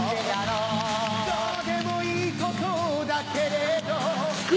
どうでもいいことだけれどあ！